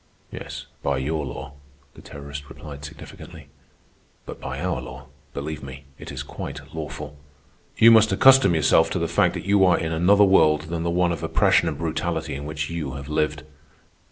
"Yes, by your law," the terrorist replied significantly. "But by our law, believe me, it is quite lawful. You must accustom yourself to the fact that you are in another world than the one of oppression and brutality in which you have lived."